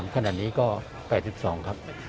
ขนาดนี้ก็๘๒ครับ